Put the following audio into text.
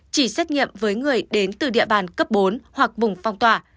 chỉ xét nghiệm với người đến từ địa bàn cấp bốn hoặc vùng phong tỏa